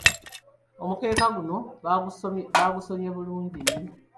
Omukeeka guno baagusonye bulungi yyo.